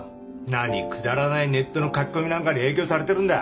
何くだらないネットの書き込みなんかに影響されてるんだ？